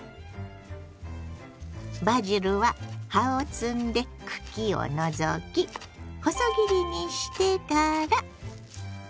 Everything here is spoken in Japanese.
バジルは葉を摘んで茎を除き細切りにしてから。